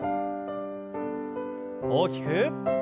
大きく。